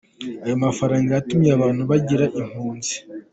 Ayo mafaranga yatumye abantu bigira impunzi.